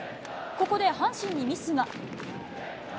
ここで阪神にミスが。